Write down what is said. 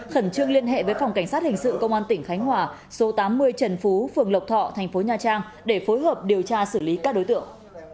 khẩn trương liên hệ với phòng cảnh sát hình sự công an tỉnh khánh hòa số tám mươi trần phú phường lộc thọ thành phố nha trang để phối hợp điều tra xử lý các đối tượng